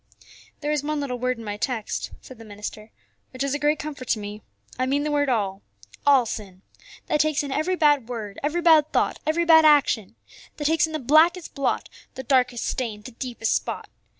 "There is one little word in my text," said the minister, "which is a great comfort to me. I mean the word all. All sin. That takes in every bad word, every bad thought, every bad action. That takes in the blackest blot, the darkest stain, the deepest spot.